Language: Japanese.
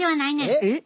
えっ？